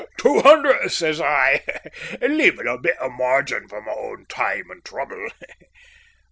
'Two hundred,' says I, leaving a bit o' a margin for my own time and trouble."